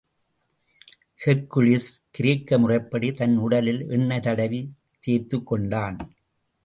Hercules, கிரேக்க முறைப்படி, தன் உடலில் எண்ணெய் தடவித் தேய்த் துக்கொண்டான்.